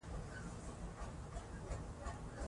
انګریزان د دې جګړې په اړه نه پوهېږي.